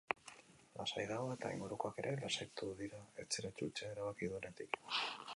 Lasai dago eta ingurukoak ere lasaitu dira etxera itzultzea erabaki duenetik.